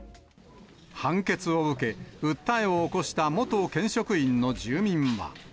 判決を受け、訴えを起こした元県職員の住民は。